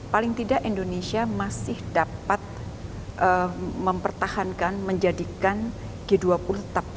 paling tidak indonesia masih dapat mempertahankan menjadikan g dua puluh tetap